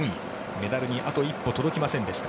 メダルにあと一歩届きませんでした。